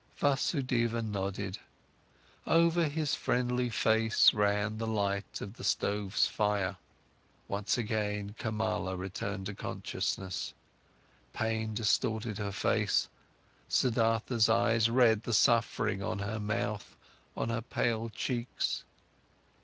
Vasudeva nodded; over his friendly face ran the light of the stove's fire. Once again, Kamala returned to consciousness. Pain distorted her face, Siddhartha's eyes read the suffering on her mouth, on her pale cheeks.